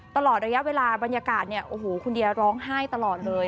ตลอดระยะเวลาบรรยากาศเนี่ยโอ้โหคุณเดียร้องไห้ตลอดเลย